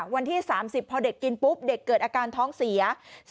วันที่๓๐พอเด็กกินปุ๊บเด็กเกิดอาการท้องเสีย